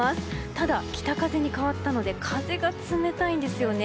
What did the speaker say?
ただ、北風に変わったので風が冷たいんですよね。